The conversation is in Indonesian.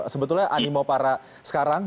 sebetulnya animo para sekarang